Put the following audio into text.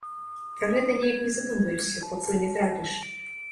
Пра гэта неяк не задумваешся, пакуль не трапіш.